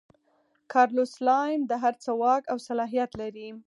کارلوس سلایم د هر څه واک او صلاحیت لري.